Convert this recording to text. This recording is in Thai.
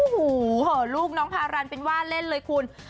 โอ้โหลูกน้องพารันเป็นว่าเล่นเลยคุณ